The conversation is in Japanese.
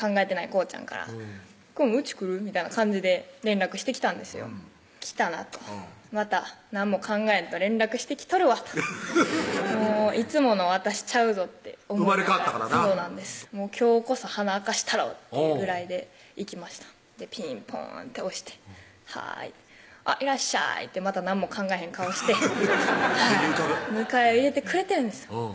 こうちゃんから「うち来る？」みたいな感じで連絡してきたんですよ来たなとまた何も考えんと連絡してきとるわともういつもの私ちゃうぞって生まれ変わったからな今日こそ鼻明かしたろっていうぐらいで行きましたピンポーンって押して「はいいらっしゃい」ってまた何も考えへん顔して目に浮かぶ迎え入れてくれてるんですよ